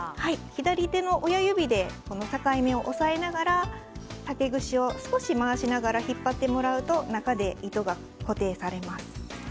左手の親指でこの境目を押さえながら竹串を少し回しながら引っ張ってもらうと中で糸が固定されます。